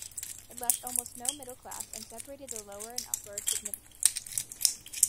It left almost no middle class and separated the lower and upper significantly.